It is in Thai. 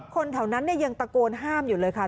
คนแถวนั้นยังตะโกนห้ามอยู่เลยค่ะ